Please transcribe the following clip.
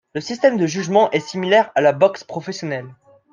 Le système de jugement est similaire à la boxe professionnelle.